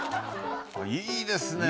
いいですね。